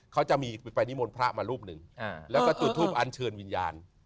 เขาจะมีไปนิมนต์พระมารูปหนึ่งแล้วก็จุดทูปอันเชิญวิญญาณ